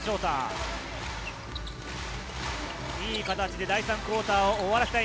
いい形で第３クオーターを終わらせたい。